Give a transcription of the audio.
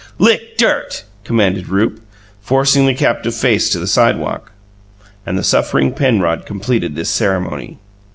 "Lick dirt," commanded Rupe, forcing the captive's face to the sidewalk; and the suffering Penrod completed this ceremony.